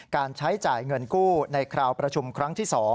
การใช้จ่ายเงินกู้ในคราวประชุมครั้งที่๒